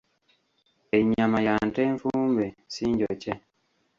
Ennyama ya nte nfumbe si njokye.